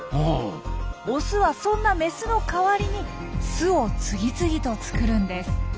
オスはそんなメスの代わりに巣を次々と作るんです。